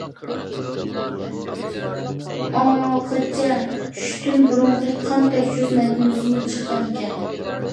ئاڭغىچە چۈشتىن بۇرۇنقى قان تەكشۈرۈش نەتىجىسىمۇ چىققان ئىكەن.